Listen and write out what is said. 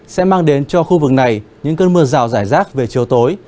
sẽ mang đến cho khu vực này những cơn mưa rào rải rác về chiều tối